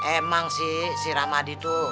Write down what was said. emang sih si ramadi tuh